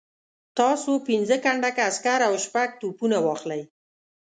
تاسو پنځه کنډکه عسکر او شپږ توپونه واخلئ.